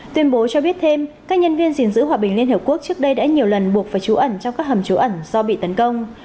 tuyên bố cho biết thêm các nhân viên diện giữ hòa bình liên hợp quốc trước đây đã nhiều lần buộc phải trú ẩn trong các hầm trú ẩn do bị tấn công